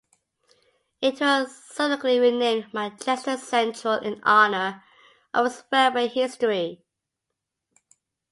It was subsequently renamed Manchester Central in honour of its railway history.